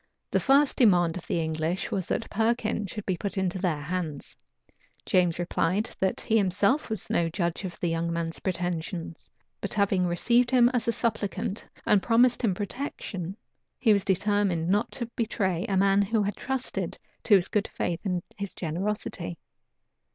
The first demand of the English was, that Perkin should be put into their hands: James replied, that he himself was no judge of the young man's pretensions; but having received him as a supplicant, and promised him protection, he was determined not to betray a man who had trusted to his good faith and his generosity.